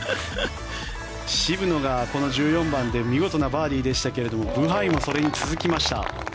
渋野がこの１４番で見事なバーディーでしたがブハイもそれに続きました。